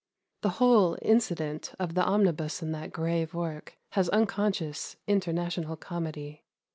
The whole incident of the omnibus in that grave work has unconscious international comedy.